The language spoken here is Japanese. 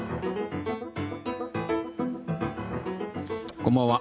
こんばんは。